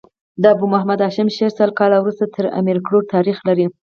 د ابو محمد هاشم شعر سل کاله وروسته تر امیر کروړ تاريخ لري.